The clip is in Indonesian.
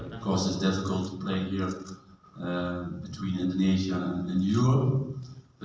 tentu saja susah untuk bermain di sini antara indonesia dan eropa